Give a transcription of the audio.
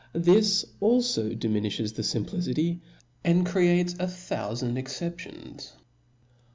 This alfo diminilhes the fimplicity, and creates a thoufand exceptions.